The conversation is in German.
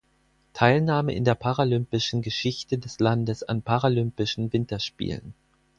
Teilnahme in der paralympischen Geschichte des Landes an Paralympischen Winterspielen.